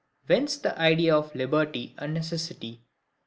Whence the Ideas of Liberty and Necessity.